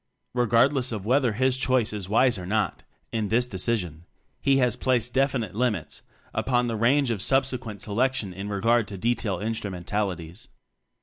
Regard less of whether his choice is wise or not (in this decision) he has placed definite limits upon the range of sub sequent selection in regard to detail instrumentalities.